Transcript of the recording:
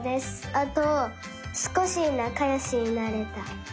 あとすこしなかよしになれた。